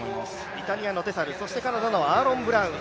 イタリアのデサル、カナダのアーロン・ブラウン。